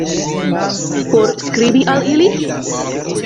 Por skribi al ili?